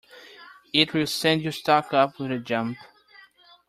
It will send your stock up with a jump.